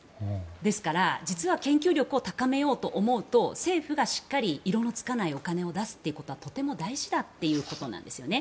ですから、実は研究力を高めようと思うと政府が、しっかりと色のつかないお金を出すことはとても大事だということなんですよね。